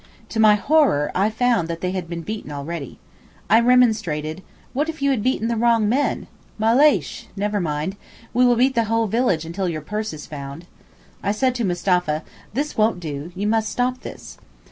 To my horror, I found they had been beaten already. I remonstrated, 'What if you had beaten the wrong men?' 'Maleysh! (Never mind!) we will beat the whole village until your purse is found.' I said to Mustapha, 'This won't do; you must stop this.